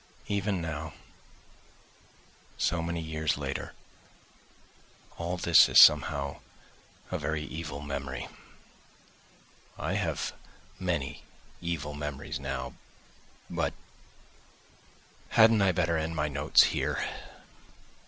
Even now, so many years later, all this is somehow a very evil memory. I have many evil memories now, but ... hadn't I better end my "Notes" here?